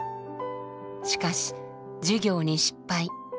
しかし事業に失敗。